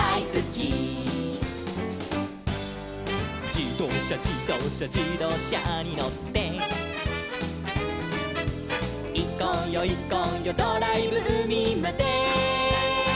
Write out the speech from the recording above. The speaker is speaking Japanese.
「じどうしゃじどうしゃじどうしゃにのって」「いこうよいこうよドライブうみまで」